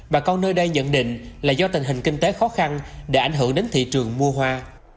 bà con nơi đây nhận định là do tình hình kinh tế khó khăn đã ảnh hưởng đến thị trường mua hoa